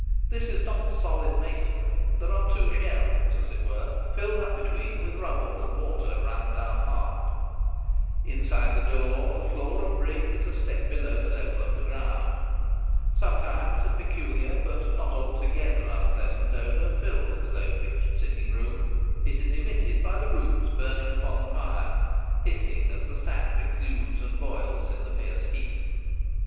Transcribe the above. This is not solid masonry ; there are two shells, as it were, filled up be tween with rubble and mortar rammed down hard. Inside the door the floor of brick is a step below His Favourite Gun. the level of the ground. Sometimes a peculiar but not altogether unpleasant odour fills the low pitched sit ting room — it is emitted by the roots burning upon the fire, hissing as the sap exudes and boils in the fierce heat.